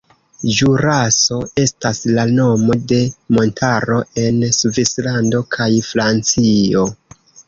Ĵuraso estas la nomo de montaro en Svislando kaj Francio.